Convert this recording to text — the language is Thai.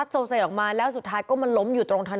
พุ่งเข้ามาแล้วกับแม่แค่สองคน